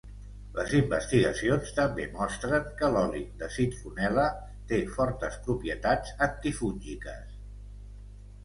Les investigacions també mostren que l'oli de citronel·la té fortes propietats antifúngiques.